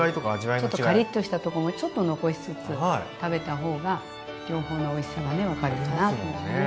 ちょっとカリッとしたとこもちょっと残しつつ食べた方が両方のおいしさがね分かるかなと思うね。